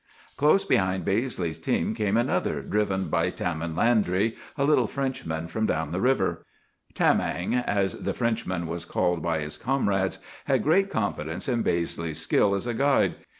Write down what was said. "Close behind Baizley's team came another, driven by Tamin Landry, a little Frenchman from down the river. Tamang, as the Frenchman was called by his comrades, had great confidence in Baizley's skill as a guide.